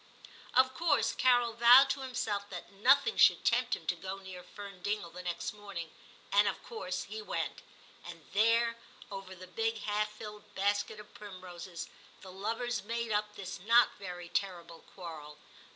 Of course Carol vowed to himself that nothing should tempt him to go near Fern Dingle the next morning, and of course he went; and there, over the big half filled basket of primroses, the lovers made up this not very terrible quarrel.